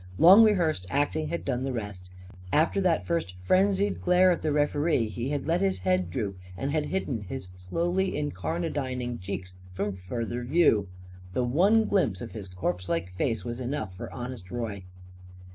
Long rehearsed acting had done the rest. After that first frenzied glare at the referee he had let his head droop and had hidden his slowly incarnadining cheeks from further view. The one glimpse of his corpse like face was enough for Honest Roy.